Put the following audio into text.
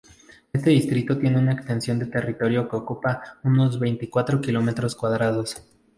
Este distrito tiene una extensión de territorio que ocupa unos veinticuatro kilómetros cuadrados.